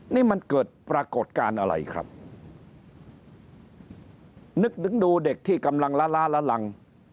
นี่มันเกิดปรากฏการณ์อะไรครับนึกถึงดูเด็กที่กำลังล้าล้าละลัง